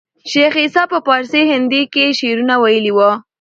شېخ عیسي په پاړسي هندي هم شعرونه ویلي وو.